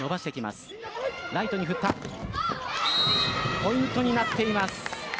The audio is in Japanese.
ポイントになっています。